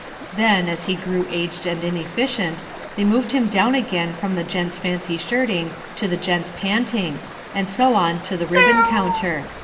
Then, as he grew aged and inefficient, they moved him down again from the gents' fancy shirting to the gents' panting, and so on to the ribbon counter.